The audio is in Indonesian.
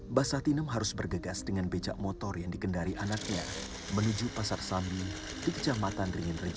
mbah satinem harus bergegas dengan becak motor yang digendari anaknya menuju pasar sambi di kecamatan ringin rejo